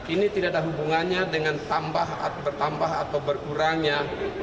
ini tidak ada hubungannya dengan bertambah atau berkurangnya